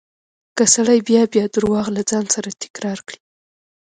که سړی بيا بيا درواغ له ځان سره تکرار کړي.